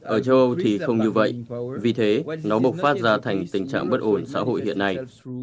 ở châu âu thì không như vậy vì thế nó bộc phát ra thành tình trạng bất ổn xã hội hiện nay